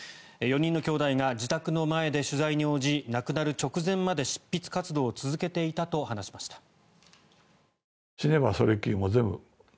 ４人の兄弟が自宅の前で取材に応じ亡くなる直前まで執筆活動を続けていたと話しました。